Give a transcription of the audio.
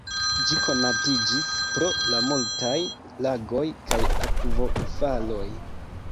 Ĝi konatiĝis pro la multaj lagoj kaj akvofaloj.